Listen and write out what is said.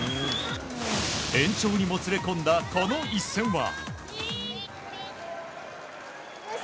延長にもつれ込んだこの１戦は。